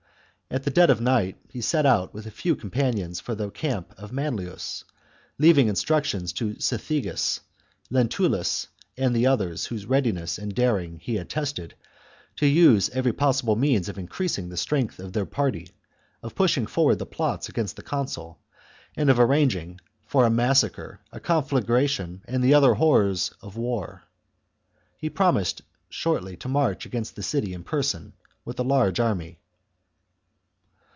At dead of night he set out with a few com panions for the camp of Manlius, leaving instructions to Cethegus, Lentulus, and the others whose readiness and daring he had tested, to use every possible means of increasing the strength of their party, of pushing forward the plots against the consul, and of arranging for a massacre, a conflagration, and the other horrors of war. He promised shortly to march against the city in person, with a large army.